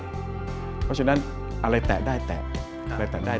เพราะฉะนั้นอะไรแตะได้แตะ